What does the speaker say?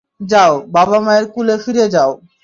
যাও, বাবা-মায়ের কুলে ফিরে যাও।